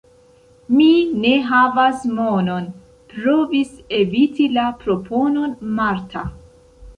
Mi ne havas monon – provis eviti la proponon Marta.